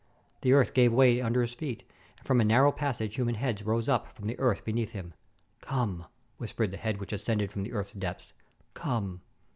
The earth gave way under his feet, and from a narrow passage human heads rose up from the earth be fore him. " Come !" whispered the head which ascended from the earth's depths, "Come!"